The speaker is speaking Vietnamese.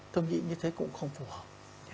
tôi nghĩ như thế cũng không phù hợp